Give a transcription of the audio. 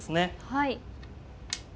はい。